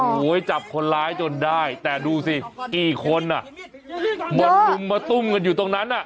โอ้โหจับคนร้ายจนได้แต่ดูสิกี่คนอ่ะมาลุมมาตุ้มกันอยู่ตรงนั้นอ่ะ